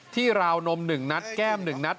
ราวนม๑นัดแก้ม๑นัด